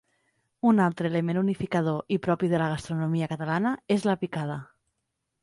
Un altre element unificador i propi de la gastronomia catalana és la picada.